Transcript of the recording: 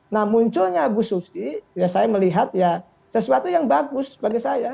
nah munculnya bu susi ya saya melihat ya sesuatu yang bagus bagi saya